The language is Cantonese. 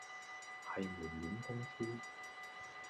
係門面功夫